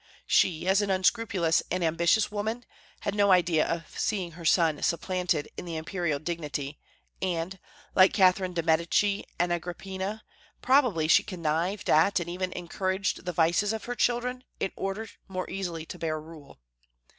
She, as an unscrupulous and ambitious woman, had no idea of seeing her son supplanted in the imperial dignity; and, like Catherine de'Medici and Agrippina, probably she connived at and even encouraged the vices of her children, in order more easily to bear rule.